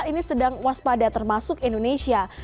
ini sedang waspada termasuk indonesia